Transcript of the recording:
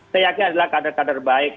seyakin adalah kader kader baik